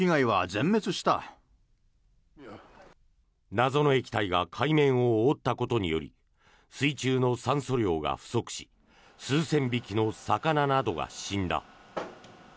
謎の液体が海面を覆ったことにより水中の酸素量が不足し数千匹の魚などが死んだ。